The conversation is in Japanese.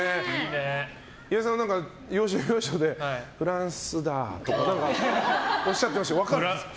岩井さん、何か要所要所でフランスだとかおっしゃってましたけど分かるんですか？